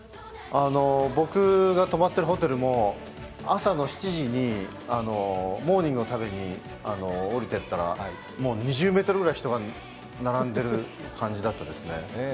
僕が泊まっているホテルも朝の７時にモーニングを食べに下りていったら、もう２０ｍぐらい人が並んでる感じだったですね。